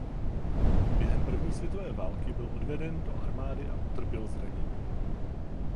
Během první světové války byl odveden do armády a utrpěl zranění.